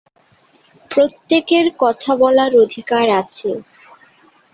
প্রত্যেকের কথা বলার অধিকার আছে।